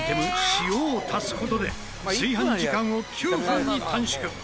塩を足す事で炊飯時間を９分に短縮。